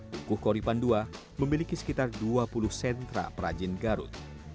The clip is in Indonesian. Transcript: kukuh koripan ii memiliki sekitar dua puluh sentra perajin garut